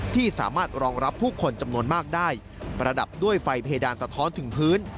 ที่สามารถรองรับผู้คนจำนวนมากได้ประดับด้วยไฟเพดานสะท้อนถึงพื้น